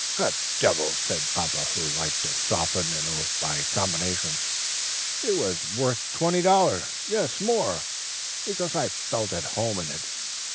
"Cut devils!" said papa, who liked to soften an oath by combinations; "it was worth twenty dollars yes, more, because I felt at home in it.